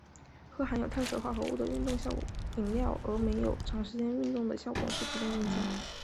喝含有碳水化合物的运动饮料而没有长时间运动的效果是体重增加。